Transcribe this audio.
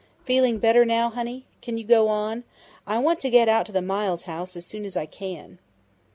Feeling better now, honey? Can you go on? I want to get out to the Miles house as soon as I can."